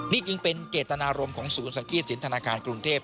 นี่จึงเป็นเจตนารมณ์ของศูนย์สังกี้สินธนาคารกรุงเทพ